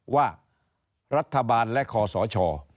ว่ารัฐบาลและคอสช